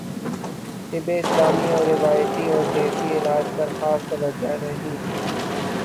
طب اسلامی اور روایتی اور دیسی علاج پرخاص توجہ نہیں